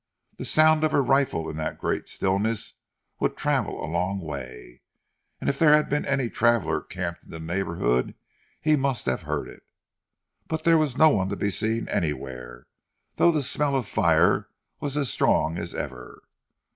The sound of her rifle in that great stillness would travel a long way, and if there had been any traveller camped in the neighbourhood he must have heard it! But there was no one to be seen anywhere, though the smell of fire was as strong as ever.